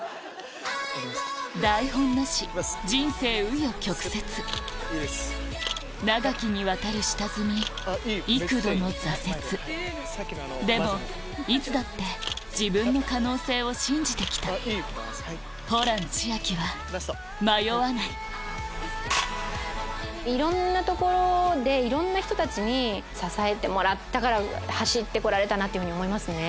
台本なし人生紆余曲折長きにわたる下積み幾度の挫折でもいつだって自分の可能性を信じて来たホラン千秋は迷わないいろんな所でいろんな人たちに支えてもらったから走って来られたなっていうふうに思いますね。